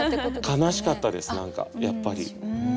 悲しかったです何かやっぱり。